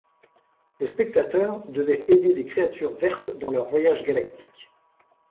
Le spectateur devait aider des créatures vertes dans leur voyage galactique.